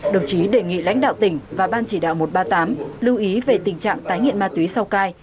đồng chí đề nghị lãnh đạo tỉnh và ban chỉ đạo một trăm ba mươi tám lưu ý về tình trạng tái nghiện ma túy sau cai